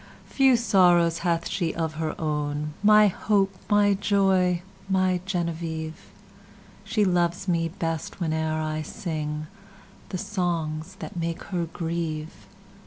Few sorrows hath she of her own, My hope! my joy! my Genevieve! She loves me best, whene'er I singThe songs that make her grieve.